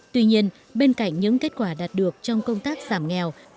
tuy nhiên bên cạnh những kết quả đạt được trong công tác giảm nghèo